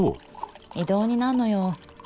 異動になんのよ。